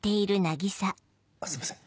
あっすいません